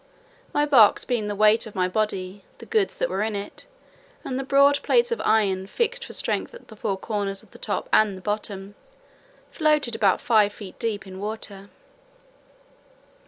My box, by the weight of my body, the goods that were in, and the broad plates of iron fixed for strength at the four corners of the top and bottom, floated about five feet deep in water.